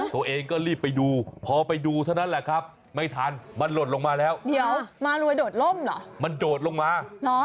ตัวเองก็รีบไปดูพอไปดูเท่านั้นแหละครับ